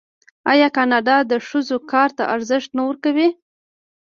آیا کاناډا د ښځو کار ته ارزښت نه ورکوي؟